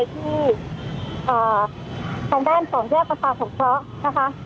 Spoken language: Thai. ที่อ่าทางด้านสองเรียกประสาททมเชาะนะคะ